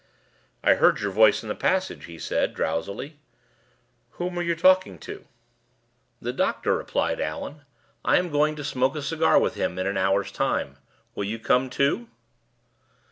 "I heard your voice in the passage," he said, drowsily. "Whom were you talking to?" "The doctor," replied Allan. "I am going to smoke a cigar with him, in an hour's time. Will you come too?"